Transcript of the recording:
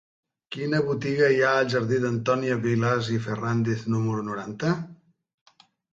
Quina botiga hi ha al jardí d'Antònia Vilàs i Ferràndiz número noranta?